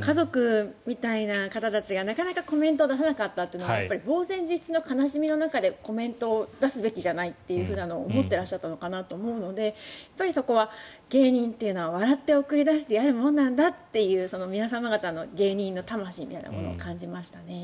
家族みたいな方たちがなかなかコメントを出さなかったというのはぼうぜん自失の悲しみの中でコメントを出すべきじゃないと思っていらっしゃったのかなと思うのでそこは芸人というのは笑って送り出してやるもんだっていう皆様方の芸人の魂みたいなものを感じましたね。